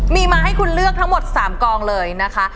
มีมาให้คุณเลือกทั้งหมด๓กองเลยนะคะ